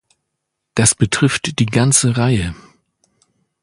Das betrifft die ganze Reihe.